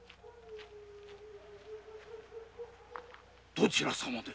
どちら様で？